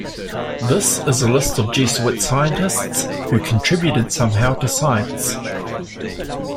This is a list of Jesuit scientists, who contributed somehow to science.